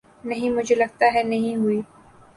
نہیں مجھےلگتا ہے نہیں ہوئی